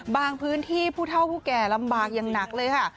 พื้นที่ผู้เท่าผู้แก่ลำบากอย่างหนักเลยค่ะ